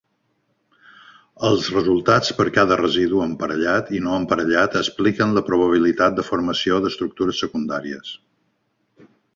Els resultats per cada residu emparellat i no emparellat expliquen la probabilitat de formació d'estructures secundàries.